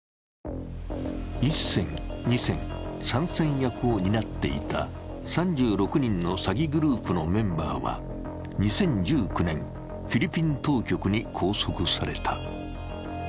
１線、２線、３線役を担っていた３６人の詐欺グループのメンバーは２０１９年、フィリピン当局に拘束された。